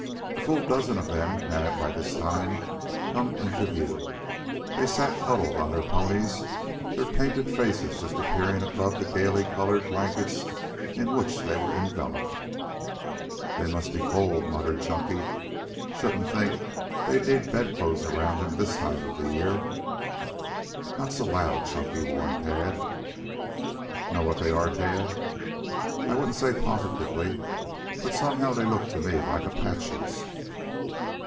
A full dozen of them had, by this time, come into view. They sat huddled on their ponies, their painted faces just appearing above the gayly colored blankets in which they were enveloped. "They must be cold," muttered Chunky. "Shouldn't think they'd need bed clothes around them this time of the year." "Not so loud, Chunky," warned Tad. "Know what they are, Tad?" "I wouldn't say positively, but somehow they look to me like Apaches."